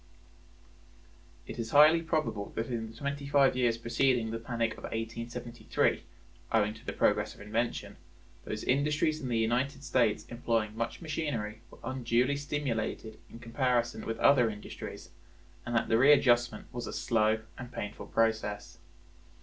It is highly probable that in the twenty five years preceding the panic of 1873, owing to the progress of invention, those industries in the United States employing much machinery were unduly stimulated in comparison with other industries, and that the readjustment was a slow and painful process.